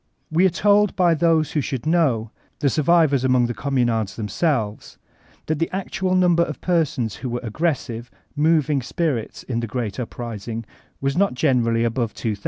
We are told by those who should know, the survivors among the Communards themselves, that the actual num* ber of persons who were aggressive, moving spirits in the great uprising was not greatly above 3,000.